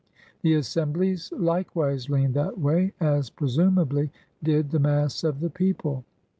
The Assemblies likewise leaned that way, as presumably did the mass of the people.